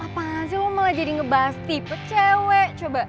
apaan sih lo malah jadi ngebasti pecewe coba